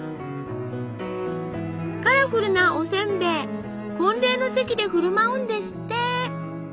カラフルなおせんべい婚礼の席で振る舞うんですって！